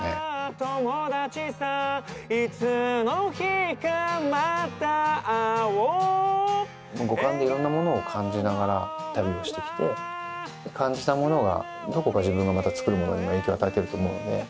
「友達さいつの日かまた会おう」五感でいろんなものを感じながら旅をしてきて感じたものがどこか自分がまた作るものにも影響与えてると思うので。